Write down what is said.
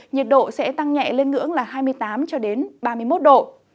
nhiệt độ sẽ tăng nhẹ lên ngưỡng hai mươi tám ba mươi một độ